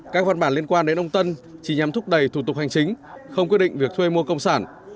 các văn bản liên quan đến ông tân chỉ nhằm thúc đẩy thủ tục hành chính không quyết định việc thuê mua công sản